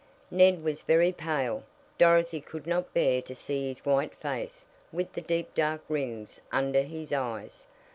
Ned was very pale. Dorothy could not bear to see his white face with the deep dark rings under his eyes.